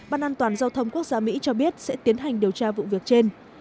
ban an toàn giao thông quốc gia mỹ cho biết sẽ tiến hành điều tra vụ việc trên